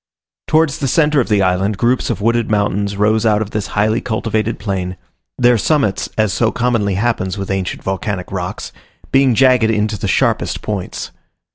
Towards the centre of the island groups of wooded mountains rose out of this highly cultivated plain; their summits, as so commonly happens with ancient volcanic rocks, being jagged into the sharpest points.